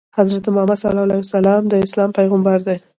حضرت محمد ﷺ د اسلام پیغمبر دی.